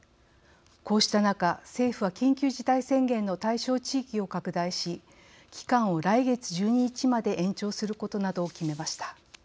こうした中、政府は緊急事態宣言の対象地域を拡大し期間を来月１２日まで延長することなどを決めました。